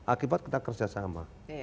akibat kita kerjasama